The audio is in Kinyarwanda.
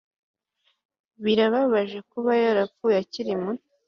Birababaje kuba yarapfuye akiri muto